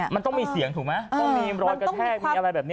มันต้องมีเสียงถูกไหมต้องมีรอยกระแทกมีอะไรแบบนี้